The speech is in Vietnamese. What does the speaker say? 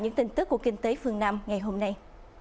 những tin tức của kinh tế phương nam ngày hôm nay